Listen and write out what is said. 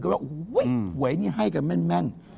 ก็ว่าอุ้ยไหนให้กันแม่น